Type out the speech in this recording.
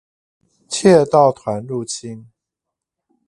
竊盜團入侵